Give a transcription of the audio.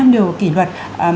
năm điều kỷ luật